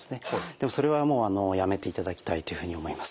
でもそれはもうやめていただきたいというふうに思います。